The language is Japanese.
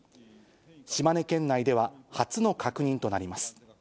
島根県内では初の確認となります。